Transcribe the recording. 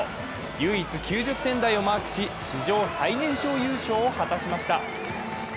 唯一９０点台をマークし、史上最年少優勝を果たしました。